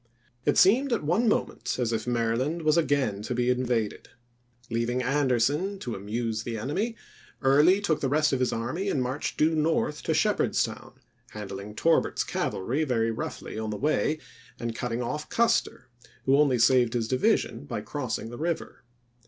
It seemed at one moment as if Maryland was again to be invaded. Leaving Anderson "to amuse the enemy," Early took the rest of his army and marched due north to Shepherdstown, handling Torbert's cavalry very roughly on the way, and cutting off Custer, who only saved his division by crossing the river.